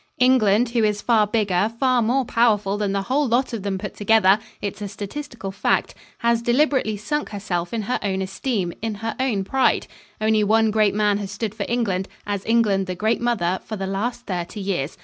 England, who is far bigger, far more powerful than the whole lot of them put together it's a statistical fact has deliberately sunk herself in her own esteem, in her own pride. Only one great man has stood for England, as England, the great Mother, for the last thirty years.